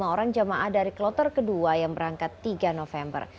lima orang jemaah dari kloter kedua yang berangkat tiga november